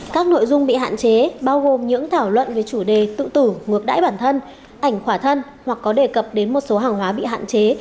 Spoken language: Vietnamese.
các nội dung bị hạn chế bao gồm những thảo luận về chủ đề tự tử ngược đãi bản thân ảnh khỏa thân hoặc có đề cập đến một số hàng hóa bị hạn chế